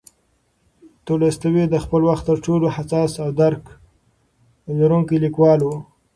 تولستوی د خپل وخت تر ټولو حساس او درک لرونکی لیکوال و.